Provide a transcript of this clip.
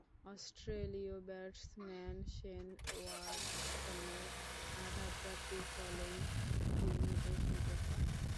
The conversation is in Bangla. অস্ট্রেলীয় ব্যাটসম্যান শেন ওয়াটসনের আঘাতপ্রাপ্তির ফলেই তিনি এ সুযোগ পান।